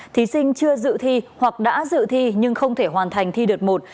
thí sinh chưa dự thi hoặc đã dự thi nhưng không thể hoàn thành thi đợt một